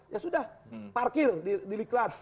ya sudah parkir di kelas